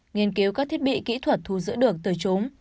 nghiên cứu các thiết bị kỹ thuật thu giữ được từ chúng